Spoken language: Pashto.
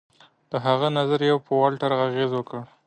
د هغه نظریو پر والټر اغېز وکړ.